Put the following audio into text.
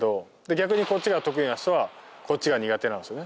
逆に、こっちが得意な人はこっちが苦手なんですよね。